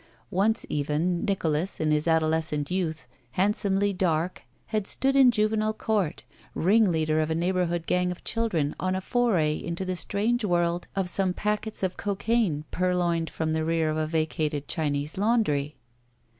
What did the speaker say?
Once even Nicholas in his adolescent youth, handsomely dark, had stood in Juvenile Court, ringleader of a neighborhood gang of children on a foray into the strange world of some packets of cocaine purloined from the rear of a vacated Chinese laundry.